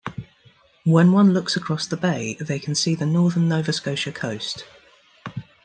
When one looks across the Bay, they can see the northern Nova Scotia coast.